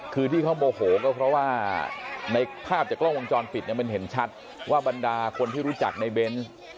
คือที่เขาโมโหก็เพราะว่าในภาพจากกล้องวงจรปิดเนี่ยมันเห็นชัดว่าบรรดาคนที่รู้จักในเบนส์